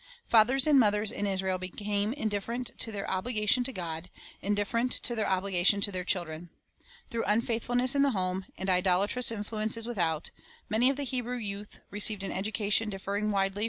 1 Fathers and mothers in Israel became indifferent to their obligation to God, indifferent to their obligation to their children. Through unfaithfulness in the home, and idolatrous influences without, many of the Hebrew youth received an education differing widely •PS.